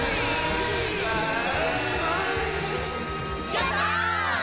やった！